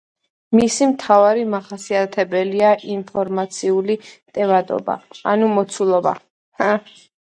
მისი მთავარი მახასიათებელია ინფორმაციული ტევადობა ანუ მოცულობა.